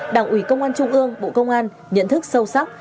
đảng ủy công an trung ương bộ công an nhận thức sâu sắc